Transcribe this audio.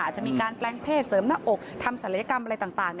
อาจจะมีการแปลงเพศเสริมหน้าอกทำศัลยกรรมอะไรต่าง